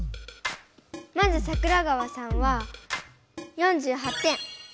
まず桜川さんは４８点。